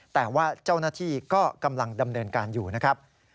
แต่ว่าเจ้าหน้าที่ก็กำลังดำเนินการอยู่นะครับ